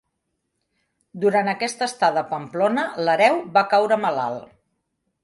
Durant aquesta estada a Pamplona, l'hereu va caure malalt.